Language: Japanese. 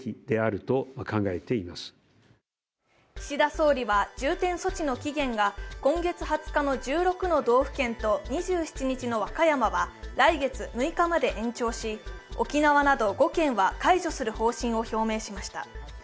岸田総理は重点措置の期限が今月２０日の１６の都府県と２７日の和歌山は来月６日まで延長し沖縄など５県は解除する方針を示しました。